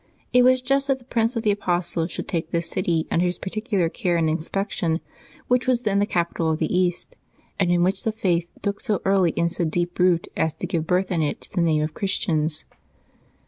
It was just that the Prince of the Apostles should take this city under his particular care and inspection, which was then the capital of the East, and in which tlio faith took so early and so deep root as to give birth in it to the name of Christians.